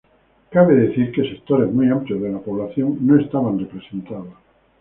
Cabe decir que sectores muy amplios de la población no estaban representados.